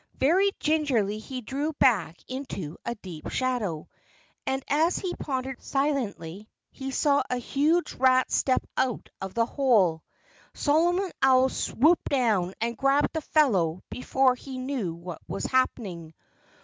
Very gingerly he drew back into a deep shadow. And as he pondered silently he saw a huge rat step out of the hole. Solomon Owl swooped down and grabbed the fellow before he knew what was happening.